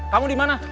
kamu di mana